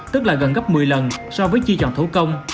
tức là gần gấp một mươi lần so với chi chọn thủ công